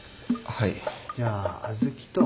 はい。